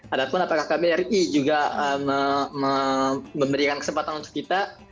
ada pun apakah kbri juga memberikan kesempatan untuk kita